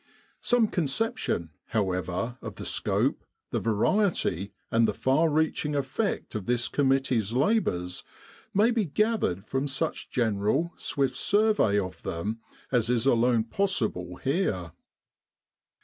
Some conception, however, of the scope, the variety, and the far reaching effect of this committee's labours may be gathered from such general, swift survey of them as is alone possible here.